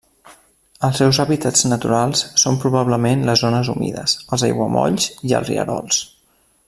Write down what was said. Els seus hàbitats naturals són probablement les zones humides, els aiguamolls i els rierols.